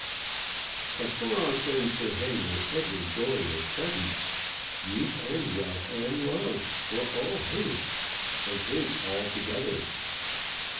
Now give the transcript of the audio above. But for our friend Sir Henry every joy was present. Youth and wealth and love were all his, and his all together.